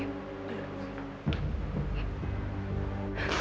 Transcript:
ya duduk sayang